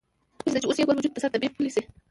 پریږده چې اوس یې ګل وجود په سره تبۍ پولۍ شي